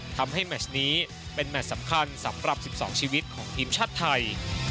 แมชนี้เป็นแมทสำคัญสำหรับ๑๒ชีวิตของทีมชาติไทย